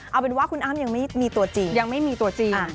เอาเป็นว่าคุณอ้ำยังไม่มีตัวจริง